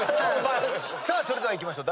それではいきましょう。